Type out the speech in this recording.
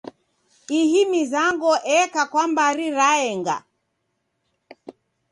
Ihi mizango eka kwa mbari raenga.